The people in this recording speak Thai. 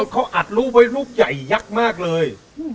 เขาอัดรูปไว้ลูกใหญ่ยักษ์มากเลย